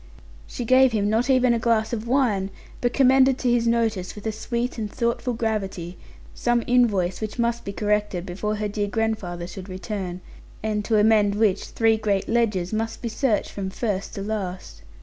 She gave him not even a glass of wine, but commended to his notice, with a sweet and thoughtful gravity, some invoice which must be corrected, before her dear grandfather should return; and to amend which three great ledgers must be searched from first to last.